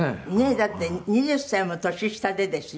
だって２０歳も年下でですよ